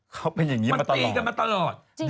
เข้าไปอย่างงี้มาตลอด